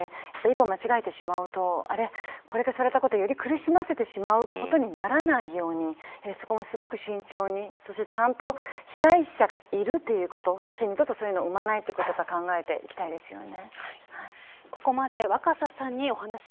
また、そういう方々がこういう報道などで一歩間違えてしまうとより苦しませてしまうことにならないようにそこもすごく慎重にそしてちゃんと被害者がいるということそして二度とそういうことを二度と生まないということを考えて期待したいですね。